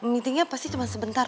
meetingnya pasti cuma sebentar